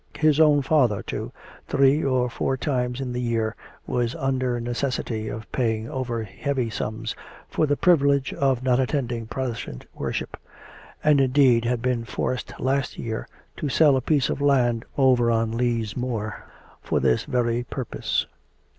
His own father, too, three or four times in the year, was under necessity of paying over heavy sums for the privilege of not attending Protestant worship; and, indeed, had been forced last year to sell a piece of land over on Lees Moor fur this very purpose.